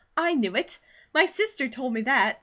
"I knew it. My sister told me that.